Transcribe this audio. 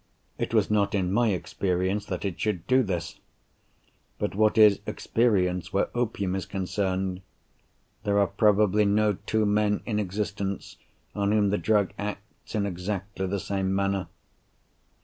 It was not in my experience that it should do this. But what is experience, where opium is concerned? There are probably no two men in existence on whom the drug acts in exactly the same manner.